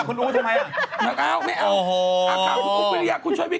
ขนาดนี้มันจากคุณอุ๊บทำไม